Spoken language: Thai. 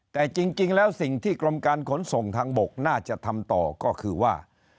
แต่จริงแล้วสิ่งที่กรมการขนส่งทางบกน่าจะทำต่อก็คือว่า